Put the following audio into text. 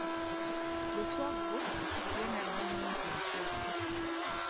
Buswagu, ye n'addamu nti nswa.